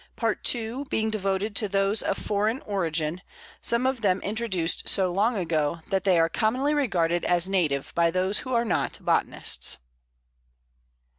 Part II. being devoted to those of foreign origin, some of them introduced so long ago that they are commonly regarded as native by those who are not botanists.